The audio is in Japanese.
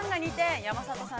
山里さん、